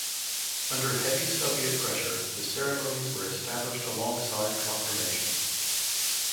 Under heavy Soviet pressure the ceremonies were established alongside confirmation.